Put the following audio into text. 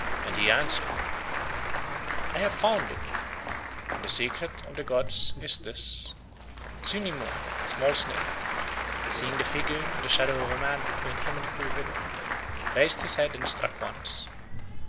And he answered: "I have found it, and the Secret of the gods is this"—: Zyni Moe, the small snake, seeing the figure and the shadow of a man between him and the cool river, raised his head and struck once.